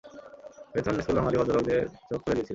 Bethune school Bengali "ভদ্রলোক"দের চোখ খুলে দিয়েছিল।